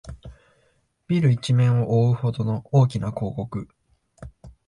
ビル一面をおおうほどの大きな広告